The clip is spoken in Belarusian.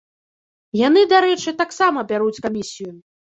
Яны, дарэчы, таксама бяруць камісію.